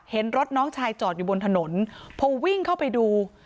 เห็นรถน้องชายจอดอยู่บนถนนพอวิ่งเข้าไปดู